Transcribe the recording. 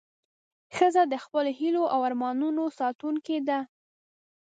ښځه د خپلو هیلو او ارمانونو ساتونکې ده.